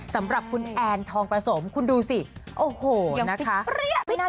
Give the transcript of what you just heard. สำหรับคุณแอนทองประสมคุณดูสิโอ้โหนะคะ